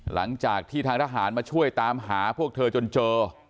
หลังจากที่ทางทหารมาช่วยตามหาพวกเธอจนเจอ